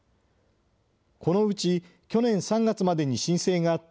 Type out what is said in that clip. このうち、去年３月までに申請があった